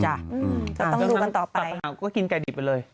จะต้องดูกันต่อไปกับปัญหาก็กินไก่ดิบไปเลย